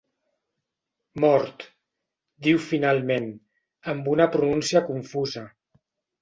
Mort –diu finalment, amb una pronúncia confusa–.